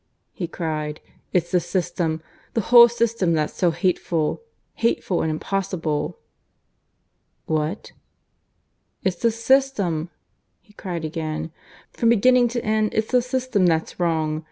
he cried. "It's the system the whole system that's so hateful ... hateful and impossible." "What?" "It's the system," he cried again. "From beginning to end it's the system that's wrong.